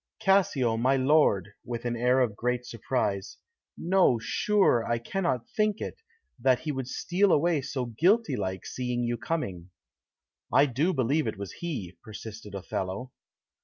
"Cassio, my lord!" with an air of great surprise. "No, sure, I cannot think it, that he would steal away so guilty like, seeing you coming." "I do believe it was he," persisted Othello.